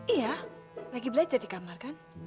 iya lagi belajar di kamar kan